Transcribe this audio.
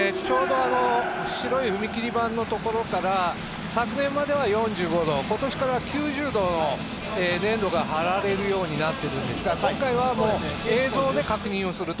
ちょうど白い踏み切り板のところから昨年までは４５度、今年からは４５度、９０度のねんどがはられれるようになっているんです。